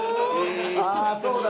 ああそうだ。